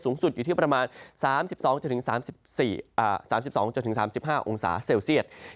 สูงสุดอยู่ที่ประมาณ๓๒๓๒๓๕องศาเซลเซียต